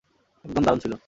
একদম দারুণ ছিলো।